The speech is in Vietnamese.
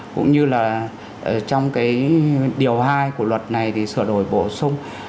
cũng như là trong cái điều hai của luật này thì sửa đổi bổ sung